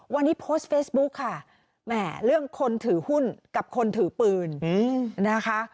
วันนี้โพสต์เฟซบุ๊คค่ะแหมเรื่องคนถือหุ้นกับคนถือปืนนะคะ